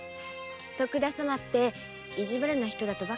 徳田様って意地悪な人とばかり。